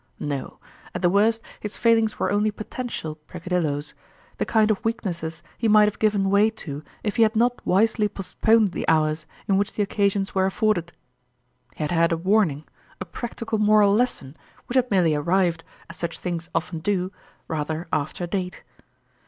No ; at the worst, his failings were only potential pecca dilloes, the kind of weaknesses he might have given way to if he had not wisely postponed the hours in which the occasions were afforded. He had had a warning, a practical moral les son which had merely arrived, as such things often do, rather after date.